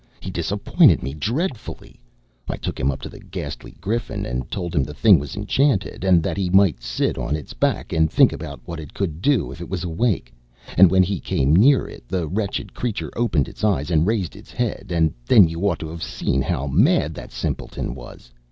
"He disappointed me dreadfully. I took him up to the Ghastly Griffin, and told him the thing was enchanted, and that he might sit on its back and think about what it could do if it was awake; and when he came near it the wretched creature opened its eyes, and raised its head, and then you ought to have seen how mad that simpleton was.